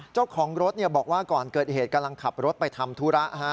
เจ้าของรถบอกว่าก่อนเกิดเหตุกำลังขับรถไปทำธุระ